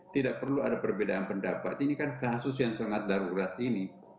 tidak perlu ada perbedaan pendapat ini kan kasus yang sangat darurat ini